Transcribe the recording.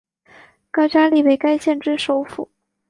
高加力为该县之首府。